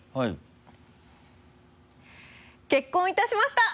結婚いたしました！